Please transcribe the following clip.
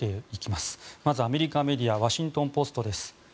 まず、アメリカメディアワシントン・ポストです。